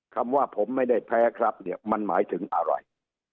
คำว่าผมไม่ได้แพ้ครับเนี่ยมันหมายถึงอะไร